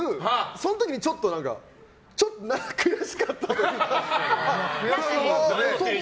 その時にちょっと悔しかったというか。